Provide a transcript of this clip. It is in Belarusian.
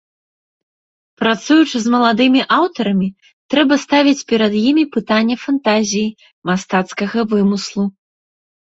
Працуючы з маладымі аўтарамі, трэба ставіць перад імі пытанне фантазіі, мастацкага вымыслу.